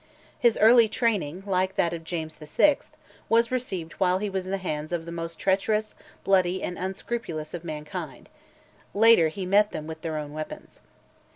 His early training, like that of James VI., was received while he was in the hands of the most treacherous, bloody, and unscrupulous of mankind; later, he met them with their own weapons.